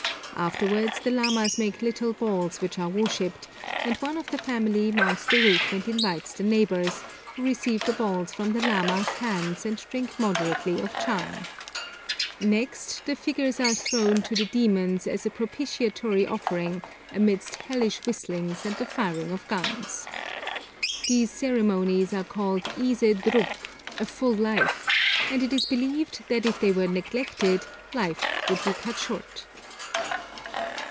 Afterwards the lamas make little balls which are worshipped, and one of the family mounts the roof and invites the neighbours, who receive the balls from the lamas' hands and drink moderately of chang. Next, the figures are thrown to the demons as a propitiatory offering, amidst 'hellish whistlings' and the firing of guns. These ceremonies are called ise drup (a full life), and it is believed that if they were neglected life would be cut short.